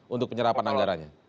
untuk penyerapan anggaranya